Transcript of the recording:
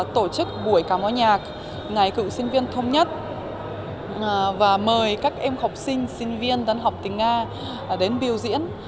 tổ chức buổi cao mối nhạc ngày cựu sinh viên thống nhất và mời các em học sinh sinh viên đắn học tình nga đến biểu diễn